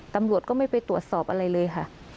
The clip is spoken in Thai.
ตำรวจก็ไม่ไปตรวจสอบอะไรเลยค่ะ